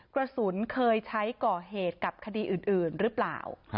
กระสุนเคยใช้ก่อเหตุกับคดีอื่นหรือเปล่า